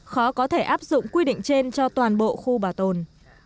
khó có thể áp dụng quy định trên cho toàn bộ khu bảo tồn